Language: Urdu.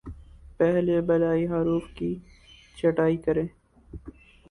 پہلے بالائی حروف کی چھٹائی کریں